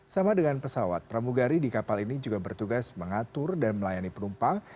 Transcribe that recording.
sama dengan pesawat pramugari di kapal ini juga bertugas mengatur dan melayani penumpang